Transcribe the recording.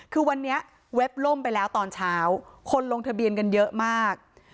คือวันนี้เว็บล่มไปแล้วตอนเช้าคนลงทะเบียนกันเยอะมาก